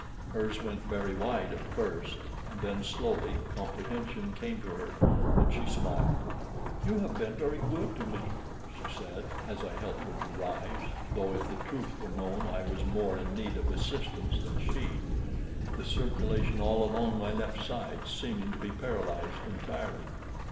Hers went very wide at first, and then slowly comprehension came to her, and she smiled. "You have been very good to me," she said, as I helped her to rise, though if the truth were known I was more in need of assistance than she; the circulation all along my left side seeming to be paralyzed entirely.